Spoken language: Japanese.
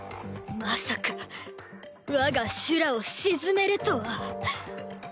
まさか我が修羅を静めるとは。